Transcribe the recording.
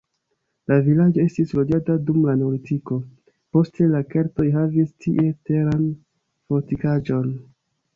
La vilaĝo estis loĝata dum la neolitiko, poste la keltoj havis tie teran fortikaĵon.